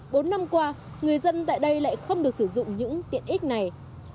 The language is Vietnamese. bốn năm qua người dân tại đây lại không được sử dụng những tiện ích này